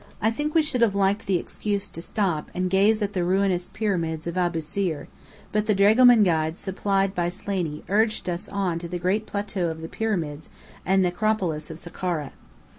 I think we should have liked the excuse to stop and gaze at the ruinous Pyramids of Abusir; but the dragoman guide supplied by Slaney urged us on to the great plateau of the Pyramids and Necropolis of Sakkara.